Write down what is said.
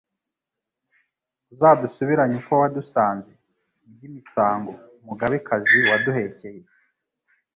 Uzadusubiranye uko wadusanze, by'emisango Umugabekazi waduhekeye,